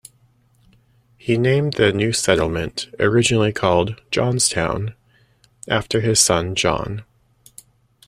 He named the new settlement, originally called John's Town, after his son John.